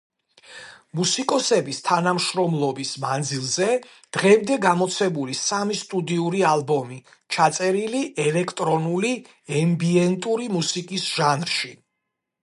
მუსიკოსების თანამშრომლობის მანძილზე დღემდე გამოცემული სამი სტუდიური ალბომი, ჩაწერილი ელექტრონული ემბიენტური მუსიკის ჟანრში.